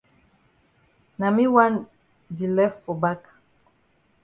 Na me wan do lef for back.